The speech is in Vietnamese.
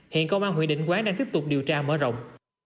hiện công an huyện định quán đang tiếp tục điều tra mở rộng